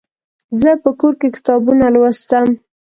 زه په کور کې کتابونه لوستم.